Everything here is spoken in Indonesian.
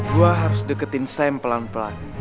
gue harus deketin sam pelan pelan